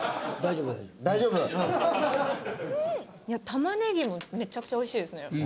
玉ねぎもめちゃくちゃおいしいですね。